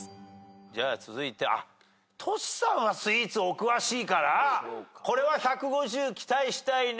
じゃあ続いてあっとしさんはスイーツお詳しいからこれは１５０期待したいね。